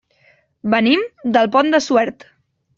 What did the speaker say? Venim del Pont de Suert.